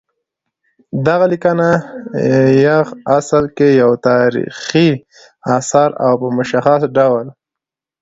دغه لیکنه پع اصل کې یو تاریخي اثر او په مشخص ډول